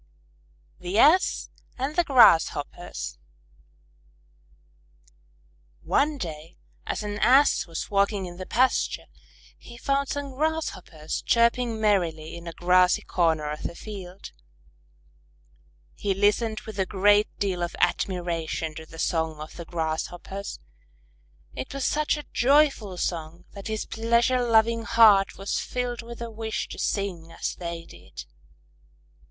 _ THE ASS AND THE GRASSHOPPERS One day as an Ass was walking in the pasture, he found some Grasshoppers chirping merrily in a grassy corner of the field. He listened with a great deal of admiration to the song of the Grasshoppers. It was such a joyful song that his pleasure loving heart was filled with a wish to sing as they did.